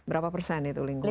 berapa persen itu lingkungan